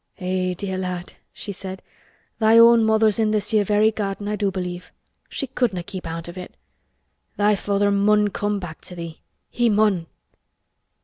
"Eh! dear lad!" she said. "Thy own mother's in this 'ere very garden, I do believe. She couldna' keep out of it. Thy father mun come back to thee—he mun!"